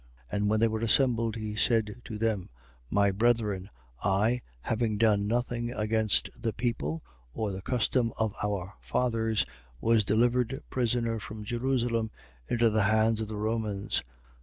And when they were assembled, he said to them: Men, brethren, I, having done nothing against the people or the custom of our fathers, was delivered prisoner from Jerusalem into the hands of the Romans.